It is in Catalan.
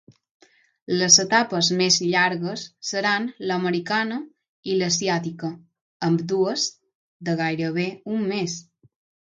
Les etapes més llargues seran l'americana i l'asiàtica, ambdues de gairebé un mes.